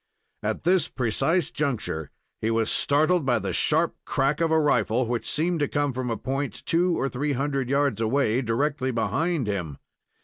At this precise juncture, he was startled by the sharp crack of a rifle, which seemed to come from a point two or three hundred yards away, directly behind him.